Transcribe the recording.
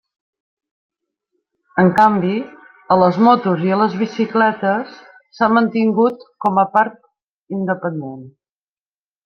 En canvi, a les motos i a les bicicletes s'ha mantingut com a part independent.